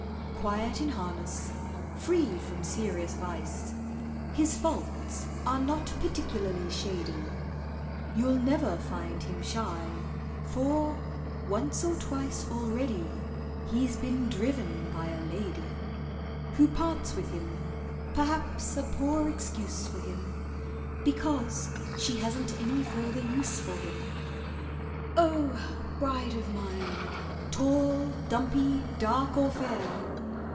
Quiet in harness; free from serious vice, His faults are not particularly shady, You'll never find him "shy"—for, once or twice Already, he's been driven by a lady, Who parts with him—perhaps a poor excuse for him— Because she hasn't any further use for him. Oh! bride of mine—tall, dumpy, dark, or fair!